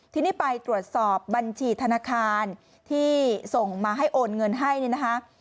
ทีนี้ไปตรวจสอบบัญชีธนาคารที่ส่งมาให้โอนเงินให้เนี่ยนะคะ